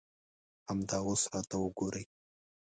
همدا اوس راته وګورئ.